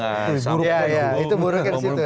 itu buruknya di situ ya